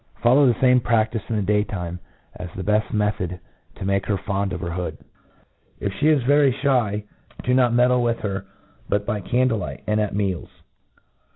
iFollow the fame pr^ftice in the day time, as the beft method to make her fond of her hood. If ' fte is very fhy, do not meddle with her but by candle light, and at meals.